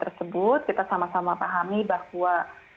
tersebut kita sama sama pahami bahwa